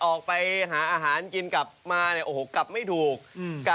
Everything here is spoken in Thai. ออกหาอาหารกลับมาไม่ถูก